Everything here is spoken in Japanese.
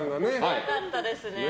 良かったですね。